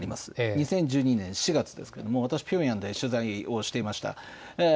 ２０１２年４月ですが私、ピョンヤンで取材をしていました。